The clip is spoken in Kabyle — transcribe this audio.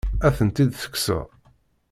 Ad tent-id-tekkseḍ?